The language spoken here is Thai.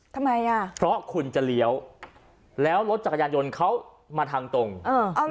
ทำไมอ่ะเพราะคุณจะเลี้ยวแล้วรถจักรยานยนต์เขามาทางตรงเออเอา